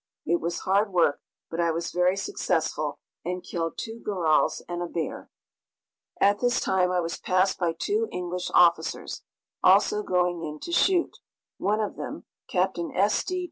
It was hard work, but I was very successful, and killed two gorals and a bear. At this time I was passed by two English officers, also going in to shoot one of them, Captain S. D.